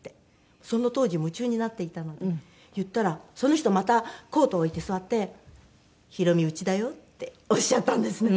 その当時夢中になっていたので言ったらその人またコートを置いて座って「宏美うちだよ」っておっしゃったんですね。